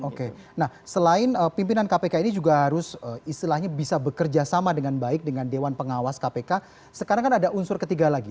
oke nah selain pimpinan kpk ini juga harus istilahnya bisa bekerja sama dengan baik dengan dewan pengawas kpk sekarang kan ada unsur ketiga lagi